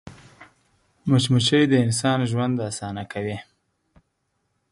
مچمچۍ د انسان ژوند اسانه کوي